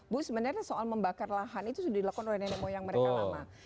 bu sebenarnya soal membakar lahan itu sudah dilakukan oleh nenek moyang mereka lama